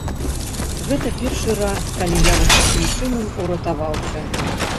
Гэта першы раз, калі я вось такім чынам уратаваўся.